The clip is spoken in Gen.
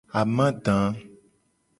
Amada.